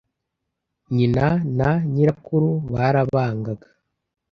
nyina na nyirakuru barabangaga